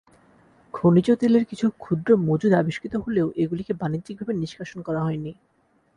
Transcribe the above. খনিজ তেলের কিছু ক্ষুদ্র মজুদ আবিষ্কৃত হলেও এগুলিকে বাণিজ্যিকভাবে নিষ্কাশন করা হয়নি।